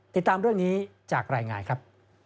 ติดตามเรื่องนี้จากรายงานครับ